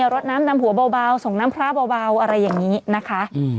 รดน้ำดำหัวเบาส่งน้ำพระเบาอะไรอย่างนี้นะคะ